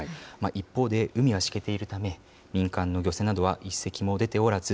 一方で海はしけているため、民間の漁船などは１隻も出ておらず、